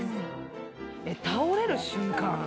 えっ倒れる瞬間？